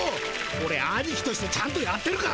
オレアニキとしてちゃんとやってるか？